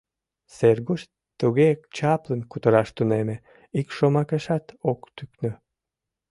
Сергуш туге чаплын кутыраш тунеме — ик шомакешат ок тӱкнӧ.